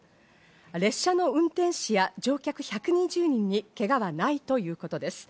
列車の運転士や乗客１２０人にけがはないということです。